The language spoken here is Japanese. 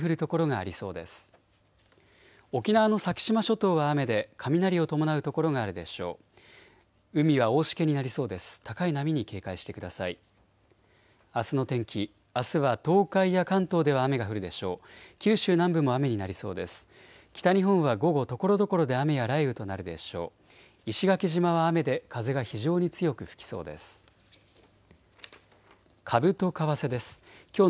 あすの天気、あすは東海や関東では雨が降るでしょう。